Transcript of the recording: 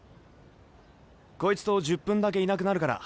こいつと１０分だけいなくなるから。